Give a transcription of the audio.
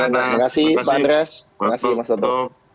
makasih pak andres makasih mas toto